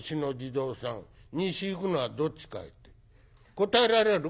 答えられる？